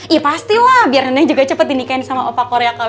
iya pasti lah biar neneng juga cepet dinikahin sama opa korea kw dua